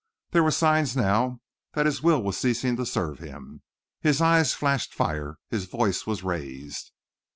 There were signs now that his will was ceasing to serve him. His eyes flashed fire, his voice was raised.